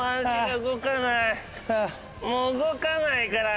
もう動かないから足！